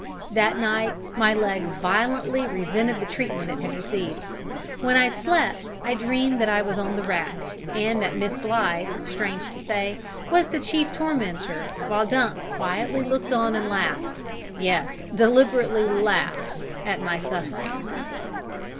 That night my leg violently resented the treatment it had received. When I slept I dreamed that I was on the rack, and that Miss Blythe, strange to say, was the chief tormentor, while Dumps quietly looked on and laughed yes, deliberately laughed at my sufferings.